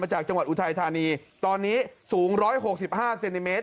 จากจังหวัดอุทัยธานีตอนนี้สูง๑๖๕เซนติเมตร